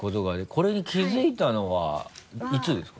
これに気づいたのはいつですか？